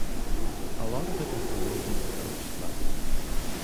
A lot of it is the way he's approached life.